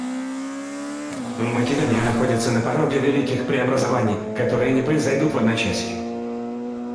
Македония находится на пороге великих преобразований, которые не произойдут в одночасье.